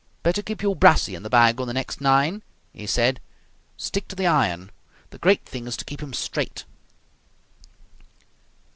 "Better keep your brassey in the bag on the next nine," he said. "Stick to the iron. The great thing is to keep 'em straight!"